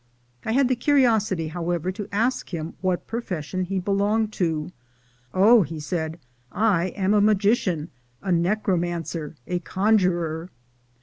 I had the curiosity, however, to ask him what profession he belonged to, — "Oh," he said, "I am a magician, a necromancer, a conjuror!"